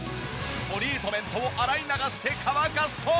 トリートメントを洗い流して乾かすと。